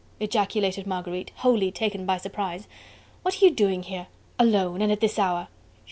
ejaculated Marguerite, wholly taken by surprise. "What are you doing here? alone? and at this hour?"